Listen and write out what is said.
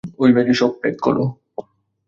ঐ ব্যাগে সব প্যাক করো।